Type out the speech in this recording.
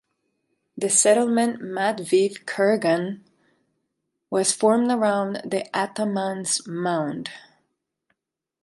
The settlement Matveev Kurgan was formed around the ataman’s mound.